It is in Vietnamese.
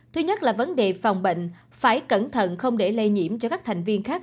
thứ nhất là vấn đề phòng bệnh phải cẩn thận không để lây nhiễm cho các thành viên khác